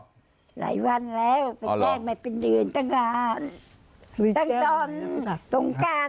หลายวันแล้วไปแจ้งมาเป็นเดือนตั้งตอนตรงการ